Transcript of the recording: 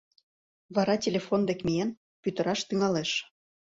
Вара телефон дек миен, пӱтыраш тӱҥалеш.